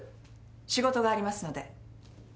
仕事がありますので。